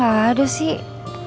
gak ada sih